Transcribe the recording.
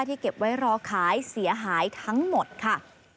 เก็บไว้รอขายเสียหายทั้งหมดค่ะ